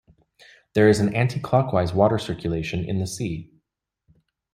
There is an anticlockwise water circulation in the sea.